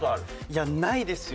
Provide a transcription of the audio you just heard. いやないですよ。